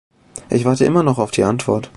Ich warte immer noch auf die Antwort.